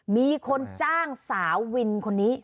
มีคนจ้างสาววินคนนี้